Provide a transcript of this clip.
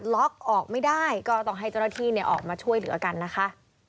ล็อกออกไม่ได้ก็ต้องให้เจ้าหน้าที่ออกมาช่วยเหลือกันนะคะ